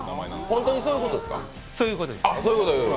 本当にそういうことですか？